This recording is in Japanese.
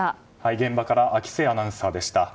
現場から秋末アナウンサーでした。